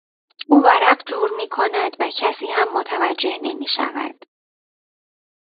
او ورق جور میکند و کسی هم متوجه نمیشود.